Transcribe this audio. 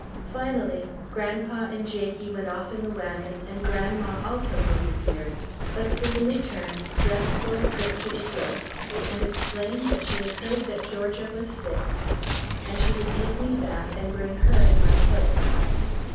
Finally grandpa and Jakie went off in the wagon and grandma also disappeared, but soon returned, dressed for a trip to the Fort, and explained that she had heard that Georgia was sick and she would take me back and bring her in my place.